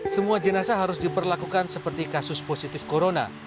semua jenazah harus diperlakukan seperti kasus positif corona